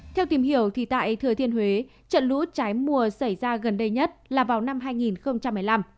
theo tìm hiểu thì tại thừa thiên huế trận lũ trái mùa xảy ra gần đây nhất là vào năm hai nghìn một mươi năm